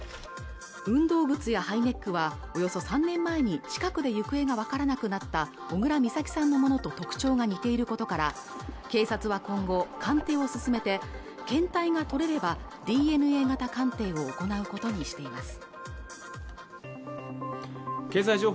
運動靴やハイネックはおよそ３年前に近くで行方が分からなくなった小倉美咲さんのものと特徴が似ていることから警察は今後鑑定を進めて検体が取れればＤＮＡ型鑑定を行うことにしています